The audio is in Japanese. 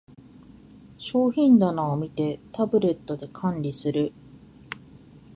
商品棚を見て、タブレットで管理する